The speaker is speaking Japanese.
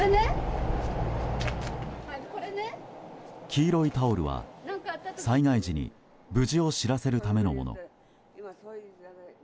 黄色いタオルは、災害時に無事を知らせるためのもの。